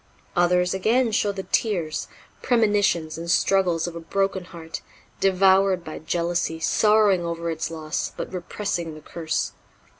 Others, again, show the tears, premonitions and struggles of a broken heart, devoured by jealousy, sorrowing over its loss, but repressing the curse.